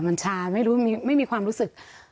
มันชาไม่รู้ไม่มีความรู้สึก